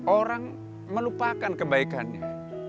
orang melupakan kebaikannya